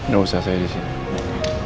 gak usah saya disini